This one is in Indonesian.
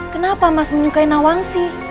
kenapa mas menyukai mas aryo